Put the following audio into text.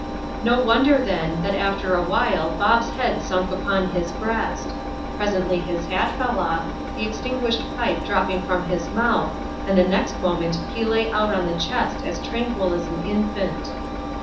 No wonder, then, that after a while Bob's head sunk upon his breast; presently his hat fell off, the extin guished pipe dropped from his mouth, and the next moment he lay out on the chest as tranquil as an infant.